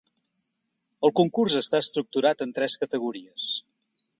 El concurs està estructurat en tres categories.